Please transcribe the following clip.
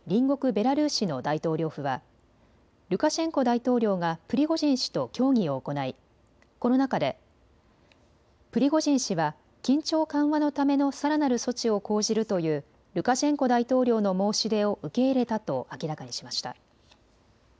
ベラルーシの大統領府はルカシェンコ大統領がプリゴジン氏と協議を行いこの中でプリゴジン氏は緊張緩和のためのさらなる措置を講じるというルカシェンコ大統領の申し出を受け入れたと明らかにしました。